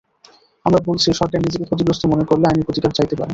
আমরা বলছি, সরকার নিজেকে ক্ষতিগ্রস্ত মনে করলে আইনি প্রতিকার চাইতে পারে।